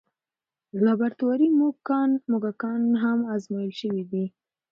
لابراتواري موږکان هم ازمویل شوي دي.